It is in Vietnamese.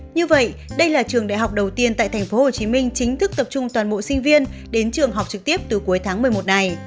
như vậy đây là trường đại học đầu tiên tại tp hcm chính thức tập trung toàn bộ sinh viên đến trường học trực tiếp từ cuối tháng một mươi một này